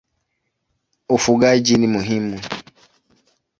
Ufugaji ni muhimu.